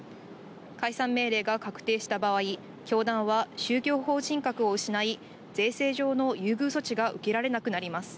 解散命令が確定した場合、教団は宗教法人格を失い、税制上の優遇措置が受けられなくなります。